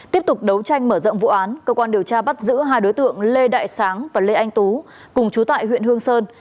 tiếp tục đấu tranh mở rộng vụ án cơ quan điều tra bắt giữ hai đối tượng lê đại sáng và lê anh tú cùng chú tại huyện hương sơn